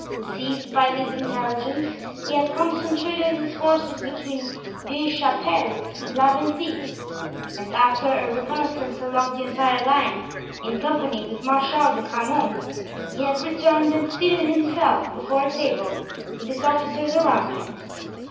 Deceived by this intelligence he had concentrated his forces between Vieille Chapelle and La Venthie; and after a reconnoissance along the entire line, in company with Marshal de Grammont, he had returned and seated himself before a table, with his officers around him.